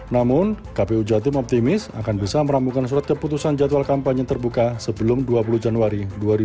namun kpu jatim optimis akan bisa meramukan surat keputusan jadwal kampanye terbuka sebelum dua puluh januari dua ribu dua puluh